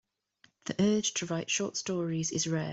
The urge to write short stories is rare.